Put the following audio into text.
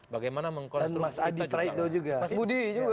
bagaimana mengkonsolidasi kita